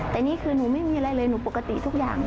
แต่นี่คือหนูไม่มีอะไรเลยหนูปกติทุกอย่าง